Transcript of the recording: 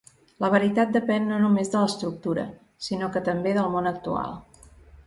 La veritat depèn no només de l'estructura, sinó que també del món actual.